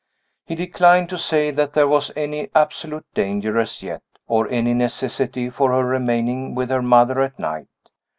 He declined to say that there was any absolute danger as yet, or any necessity for her remaining with her mother at night.